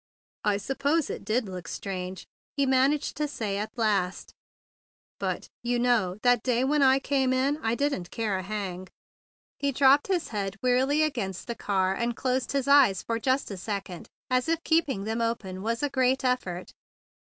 "I s'pose it did look queer," he man¬ aged to say at last; "but you know that day when I came in 1 didn't care a hang." He dropped his head wearily against the car, and closed his eyes for just a second, as if the keeping of them open was a great effort.